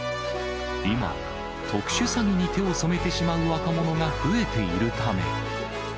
今、特殊詐欺に手を染めてしまう若者が増えているため。